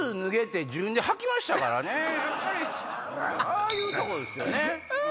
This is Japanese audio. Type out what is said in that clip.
ああいうとこですよね。